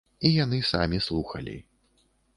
І яны самі слухалі.